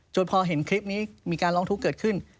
พอเห็นคลิปนี้มีการร้องทุกข์เกิดขึ้น